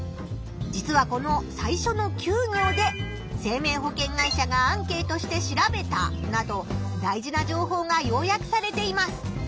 実はこの最初の９行で「生命保険会社がアンケートして調べた」など大事な情報が要約されています。